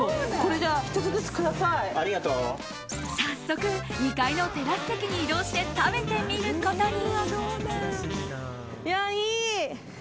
早速、２階のテラス席に移動して食べてみることに。